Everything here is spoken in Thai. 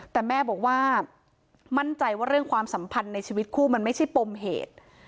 แต่แม่บอกว่ามั่นใจว่าเรื่องความสัมพันธ์ในชีวิตคู่มันไม่ใช่ปมเหตุ